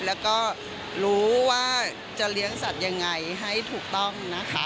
และรู้ว่าจะเลี้ยงสัตว์อย่างไรให้ถูกต้อง